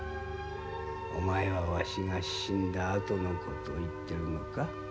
お前はわしが死んだあとの事を言ってるのか？